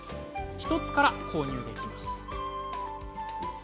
１つから購入できます。